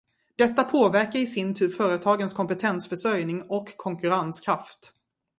Detta påverkar i sin tur företagens kompetensförsörjning och konkurrenskraft.